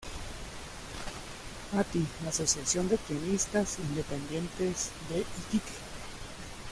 Ati asociación de tenistas independientes de iquique